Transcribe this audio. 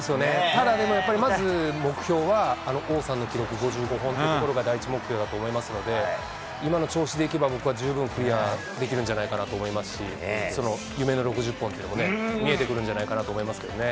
ただ、でもやっぱり、まず目標は、王さんの記録、５５本というところが、第一目標だと思いますので、今の調子でいけば、僕は十分、クリアできるんじゃないかと思いますし、夢の６０本っていうのもね、見えてくるんじゃないかなと思いますけどね。